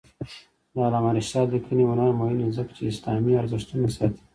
د علامه رشاد لیکنی هنر مهم دی ځکه چې اسلامي ارزښتونه ساتي.